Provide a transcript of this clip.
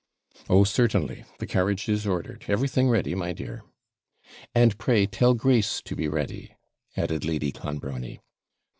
'Oh, certainly the carriage is ordered everything ready, my dear.' 'And pray tell Grace to be ready,' added Lady Clonbrony.